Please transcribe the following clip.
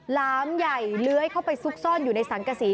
หลามใหญ่เลื้อยเข้าไปซุกซ่อนอยู่ในสังกษี